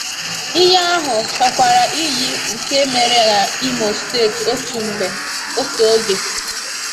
Ihe ahụ chọkwàrà iyi nke mere n'Imo steeti otu oge